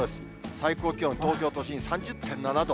最高気温、東京都心３０．７度。